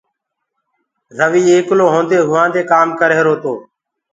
رويٚ ايڪلو هونٚدي هوآدي ڪآم ڪرريهرو تو